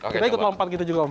kita ikut lompat gitu juga om